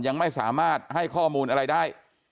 ยังไม่สามารถให้ข้อมูลอะไรได้